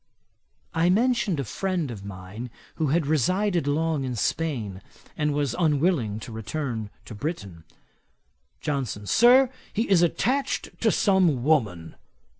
I mentioned a friend of mine who had resided long in Spain, and was unwilling to return to Britain. JOHNSON. 'Sir, he is attached to some woman.'